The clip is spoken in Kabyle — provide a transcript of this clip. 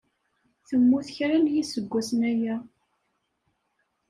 Temmut kra n yiseggasen aya.